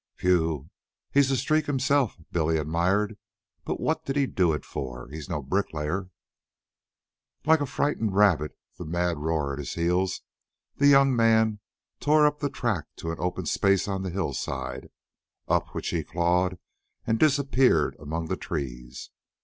"Phew! He's a streak himself," Billy admired. "But what did he do it for? He's no bricklayer." Like a frightened rabbit, the mad roar at his heels, the young man tore up the track to an open space on the hillside, up which he clawed and disappeared among the trees.